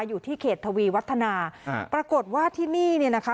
อยู่ที่เขตทวีวัฒนาปรากฏว่าที่นี่เนี่ยนะคะ